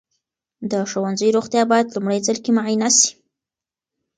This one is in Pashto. د ښوونځي روغتیا باید لومړي ځل کې معاینه سي.